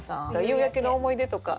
夕焼けの思い出とか。